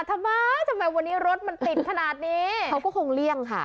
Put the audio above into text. ทำไมทำไมวันนี้รถมันติดขนาดนี้เขาก็คงเลี่ยงค่ะ